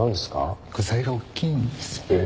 具材が大きいんですよね。